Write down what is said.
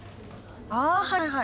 ああはいはいはい。